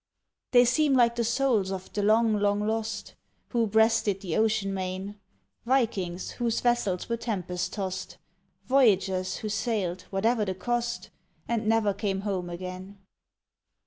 They seem like the souls of the long, long lost, Who breasted the ocean main Vikings whose vessels were tempest tossed, Voyagers who sailed, whatever the cost, And never came home again.